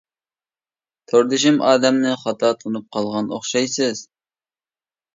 توردىشىم ئادەمنى خاتا تونۇپ قالغان ئوخشايسىز.